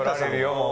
もう。